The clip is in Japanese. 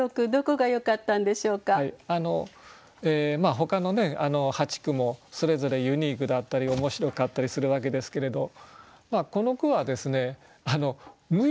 ほかの８句もそれぞれユニークだったり面白かったりするわけですけれどこの句は無欲な句なんですね。